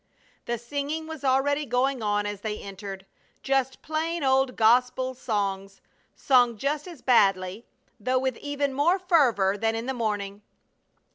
The singing was already going on as they entered. Just plain old gospel songs, sung just as badly, though with even more fervor, than in the morning.